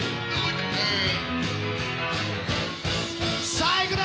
さあいくで！